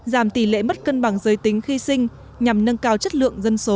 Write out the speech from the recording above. giảm tỷ lệ mất cân bằng giới tính khi sinh nhằm nâng cao chất lượng dân số